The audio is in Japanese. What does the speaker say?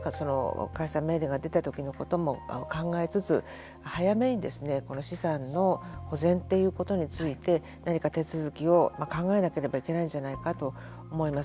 解散命令が出た時のことも考えつつ早めにこの資産の保全ということについて何か手続きを考えなければいけないんじゃないかと思います。